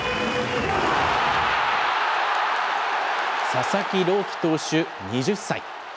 佐々木朗希投手２０歳。